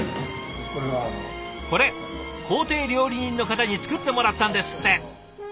これ公邸料理人の方に作ってもらったんですって。